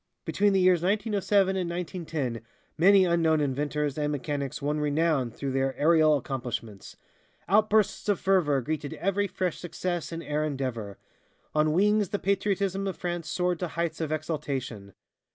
Between the years 1907 and 1910 many unknown inventors and mechanics won renown through their aerial accomplishments. Outbursts of fervor greeted every fresh success in air endeavor. On wings the patriotism of France soared to heights of exaltation.